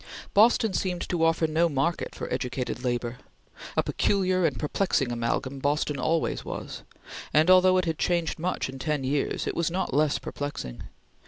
Boston seemed to offer no market for educated labor. A peculiar and perplexing amalgam Boston always was, and although it had changed much in ten years, it was not less perplexing.